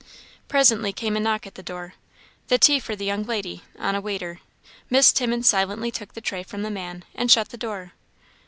Presently came a knock at the door "The tea for the young lady," on a waiter. Miss Timmins silently took the tray from the man, and shut the door.